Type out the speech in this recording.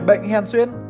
một mươi bệnh hen xuyên